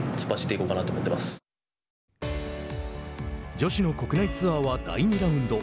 女子の国内ツアーは第２ラウンド。